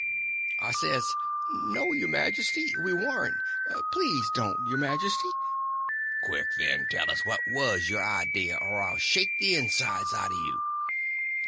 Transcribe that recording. I says: "No, your majesty, we warn't—please don't, your majesty!" "Quick, then, and tell us what was your idea, or I'll shake the insides out o' you!"